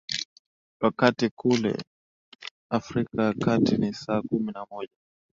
wakti kule afrika ya kati ni saa kumi na moja